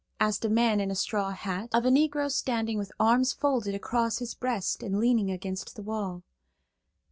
asked a man in a straw hat, of a Negro standing with arms folded across his breast and leaning against the wall.